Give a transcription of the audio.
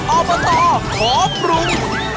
โอเบอร์ตอร์ขอปรุง